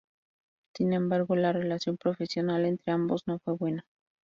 Sin embargo, la relación profesional entre ambos no fue buena.